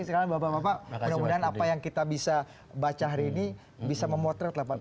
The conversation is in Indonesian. sekarang bapak bapak mudah mudahan apa yang kita bisa baca hari ini bisa memotret